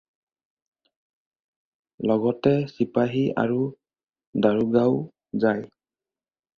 লগতে চিপাহী আৰু দাৰোগাও যায়।